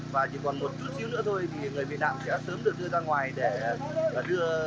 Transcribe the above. và chỉ còn một chút nữa thôi thì người bị nạn sẽ sớm được đưa ra ngoài để đưa